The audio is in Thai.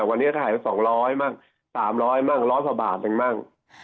วันนี้ก็ขายไปสองร้อยบ้างสามร้อยบ้างร้อยพอบาทนึงบ้าง